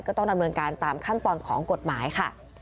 ต้องดำเนินการตามขั้นตอนของกฎหมายค่ะ